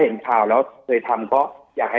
จนถึงปัจจุบันมีการมารายงานตัว